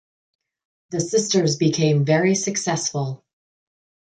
The sisters became very successful.